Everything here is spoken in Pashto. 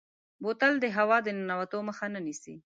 بوتل د هوا د ننوتو مخه نیسي.